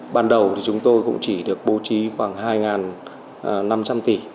ban đầu thì chúng tôi cũng chỉ được bố trí khoảng hai năm trăm linh tỷ